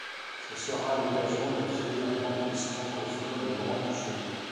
Ce sera l'occasion de créer un campus francophone au Grand-Duché.